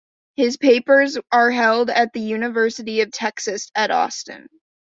His papers are held at the University of Texas at Austin.